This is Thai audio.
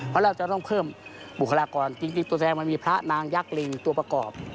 เพราะเราจะต้องเพิ่มบุคลากรจริงตัวแสดงมันมีพระนางยักษลิงตัวประกอบ